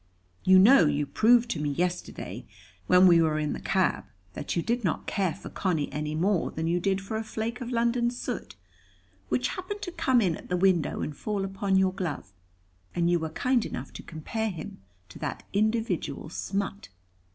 You know you proved to me yesterday, when we were in the cab, that you did not care for Conny any more than you did for a flake of London soot, which happened to come in at the window, and fall upon your glove. And you were kind enough to compare him to that individual smut."